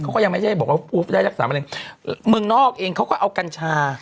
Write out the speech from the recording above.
เขาก็ยังไม่ได้บอกว่าได้รักษามะเร็งเมืองนอกเองเขาก็เอากัญชา